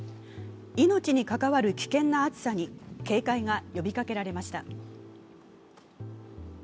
命に関わる危険な暑さに警戒が呼びかけられました。